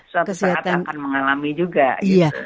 suatu perhatian akan mengalami juga